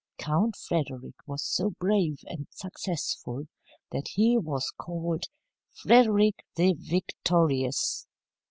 Count Frederick was so brave and successful that he was called "Frederick the Victorious."